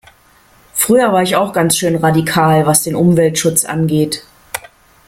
Früher war ich auch ganz schön radikal, was den Umweltschutz angeht.